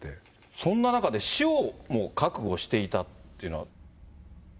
そんな中で、死をも覚悟していたっていうのは。